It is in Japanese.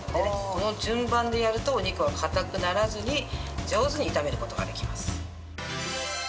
この順番でやるとお肉は硬くならずに上手に炒める事ができます。